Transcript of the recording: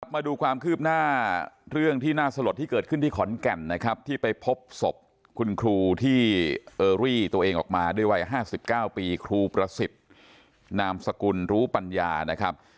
มาดูความคืบหน้าเรื่องที่น่าสลดที่เกิดขึ้นที่ขอนแก่นนะครับที่ไปพบศพคุณครูที่เออรี่ตัวเองออกมาด้วยวัย๕๙ปีครูประสิทธิ์นามสกุลรู้ปัญญานะครับ